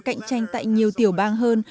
cạnh tranh tại nhiều tiểu bang hơn